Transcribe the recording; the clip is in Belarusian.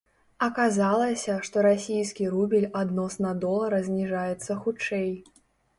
Аказалася, што расійскі рубель адносна долара зніжаецца хутчэй.